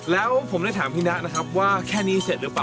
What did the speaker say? แล้วผมได้ถามพี่นะนะครับว่าแค่นี้เสร็จหรือเปล่า